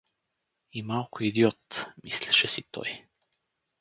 И малко идиот“ — мислеше си той.